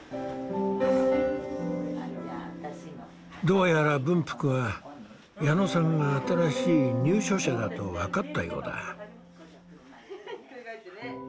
どうやら文福は矢野さんが新しい入所者だと分かったようだ。